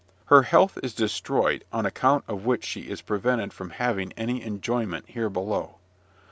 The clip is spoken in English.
Her health is destroyed, on account of which she is prevented from having any enjoyment here below.